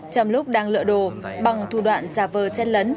trong lúc đang lỡ đồ bằng thủ đoạn giả vờ chen lấn